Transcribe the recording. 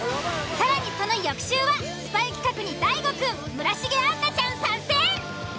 更にその翌週はスパイ企画にＤＡＩＧＯくん村重杏奈ちゃん参戦。